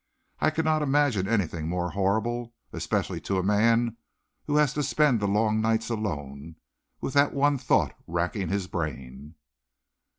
I cannot imagine anything more horrible, especially to a man who has to spend the long nights alone with that one thought racking his brain!"